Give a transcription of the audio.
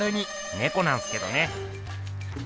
ねこなんすけどね。